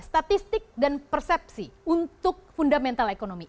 statistik dan persepsi untuk fundamental ekonomi